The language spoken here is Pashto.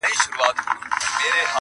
چي هوښیار طوطي ګونګی سو په سر پک سو-